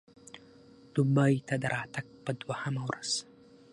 دوبۍ ته د راتګ په دوهمه ورځ.